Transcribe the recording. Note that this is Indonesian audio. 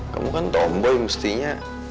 kamu kan tomboy mestinya